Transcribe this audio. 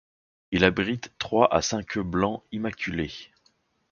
Il abrite trois à cinq œufs blanc immaculés.